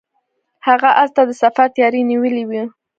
هغه اس ته د سفر تیاری نیولی و.